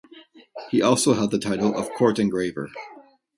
He also held the title of Court Engraver.